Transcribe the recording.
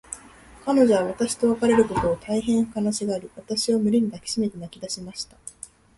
彼女は私と別れることを、大へん悲しがり、私を胸に抱きしめて泣きだしました。